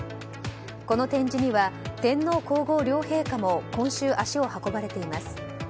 この展示には天皇・皇后両陛下も今週、足を運ばれています。